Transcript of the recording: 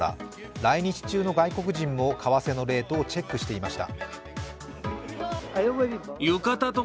来日中の外国人も為替のレートをチェックしていました。